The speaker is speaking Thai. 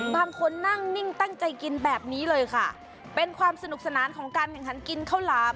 บางคนนั่งนิ่งตั้งใจกินแบบนี้เลยค่ะเป็นความสนุกสนานของการแข่งขันกินข้าวหลาม